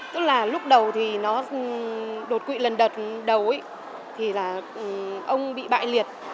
tức là lúc đầu thì nó đột quỵ lần đầu thì là ông bị bại liệt